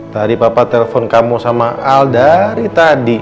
tadi papa telepon kamu sama al dari tadi